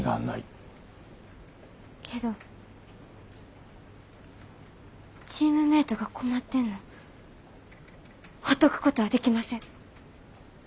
けどチームメイトが困ってんのほっとくことはできません。